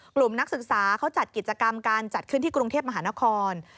นักศึกษาเขาจัดกิจกรรมการจัดขึ้นที่กรุงเทพมหานคร